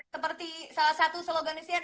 seperti salah satu slogan sian